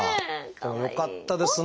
でもよかったですね